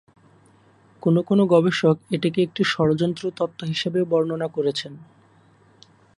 কোনও কোনও গবেষক এটিকে একটি ষড়যন্ত্র তত্ত্ব হিসেবেও বর্ণনা করেছেন।